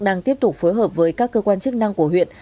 đang tiếp tục phối hợp với các cơ quan chức năng của huyện